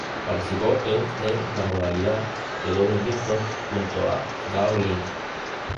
Participó en en la modalidad de Dobles Mixtos junto a Gao Ling.